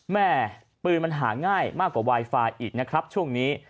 แม่ปืนมันหาง่ายมากกว่าไวไฟอีกนะครับช่วงนี้